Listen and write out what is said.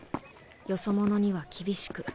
よそ者には厳しく。